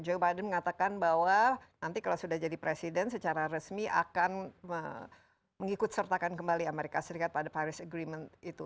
joe biden mengatakan bahwa nanti kalau sudah jadi presiden secara resmi akan mengikut sertakan kembali amerika serikat pada paris agreement itu